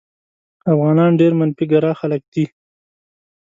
افغانان ډېر منفي ګرا خلک دي.